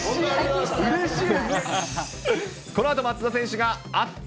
うれしい。